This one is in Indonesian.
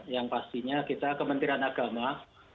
yang pastinya kita kementerian agama